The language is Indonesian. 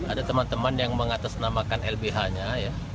ada teman teman yang mengatasnamakan lbh nya ya